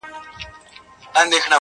• پوښتنه به کوی د زمولېدلو ګلغوټیو -